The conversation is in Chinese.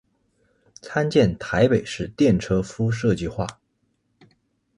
参见台北市电车敷设计画。